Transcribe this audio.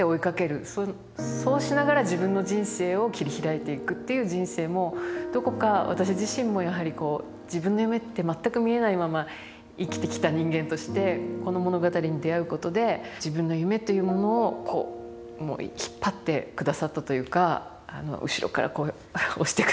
そうしながら自分の人生を切り開いていくっていう人生もどこか私自身もやはりこう自分の夢って全く見えないまま生きてきた人間としてこの物語に出会うことで自分の夢というものをこう引っ張ってくださったというか後ろからこう押してくださったというか。